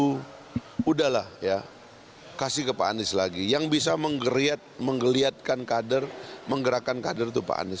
jadi sudah lah ya kasih ke pak anies lagi yang bisa menggeriatkan kader menggerakan kader itu pak anies